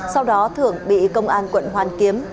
sau đó thường bị công an quận hoàn kiếm